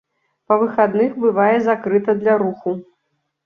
Па выхадных бывае закрыта для руху.